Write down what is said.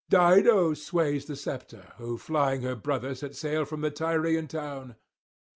Dido sways the sceptre, who flying her brother set sail from the Tyrian town.